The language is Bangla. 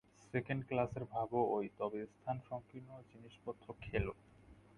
সেকেণ্ড ক্লাসের ভাবও ঐ, তবে স্থান সংকীর্ণ ও জিনিষপত্র খেলো।